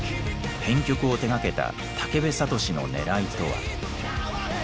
編曲を手がけた武部聡志のねらいとは。